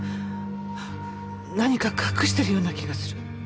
はっ何か隠してるような気がする。